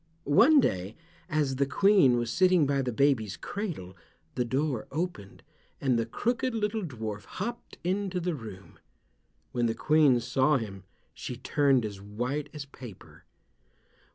One day, as the Queen was sitting by the baby's cradle, the door opened, and the crooked little dwarf hopped into the room. When the Queen saw him she turned as white as paper.